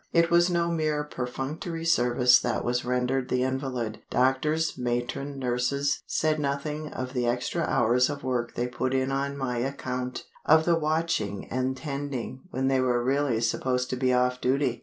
It was no mere perfunctory service that was rendered the invalid. Doctors, matron, nurses said nothing of the extra hours of work they put in on my account; of the watching and the tending when they were really supposed to be off duty.